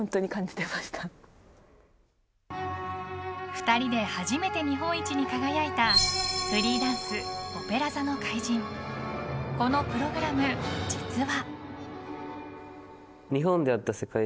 ２人で初めて日本一に輝いたフリーダンス「オペラ座の怪人」このプログラム、実は。